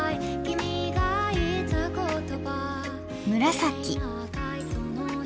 紫。